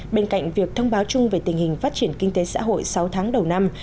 bên cạnh việc thông báo chung về tình hình phát triển kinh tế xã hội sáu tháng đầu năm